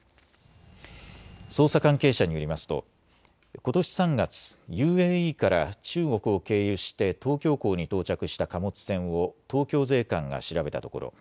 捜査関係者によりますとことし３月、ＵＡＥから中国を経由して東京港に到着した貨物船を東京税関が調べたところ